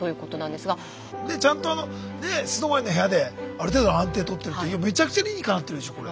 ちゃんとあのねえ素泊まりの部屋である程度の安定とってるってめちゃくちゃ理にかなってるでしょこれ。